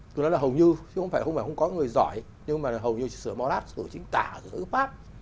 tôi nói là hầu như chứ không phải không có người giỏi nhưng mà hầu như chỉ sửa mò lát sửa chính tả sửa pháp